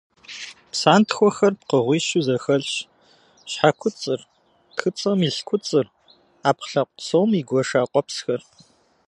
Псантхуэхэр пкъыгъуищу зэхэлъщ: щхьэкуцӏыр, тхыцӏэм илъ куцӏыр, ӏэпкълъэпкъ псом игуэша къуэпсхэр.